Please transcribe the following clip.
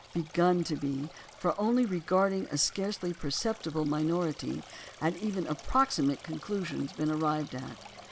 Begun to be; for only regarding a scarcely perceptible minority had even approximate conclusions been arrived at.